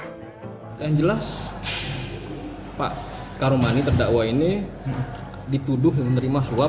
yang jelas pak karomani terdakwa ini dituduh menerima suap